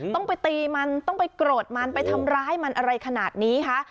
ต้องไปตีมันต้องไปโกรธมันไปทำร้ายมันอะไรขนาดนี้คะ